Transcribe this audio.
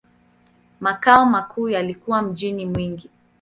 Makao makuu yalikuwa mjini Mwingi.